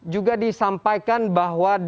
juga disampaikan bahwa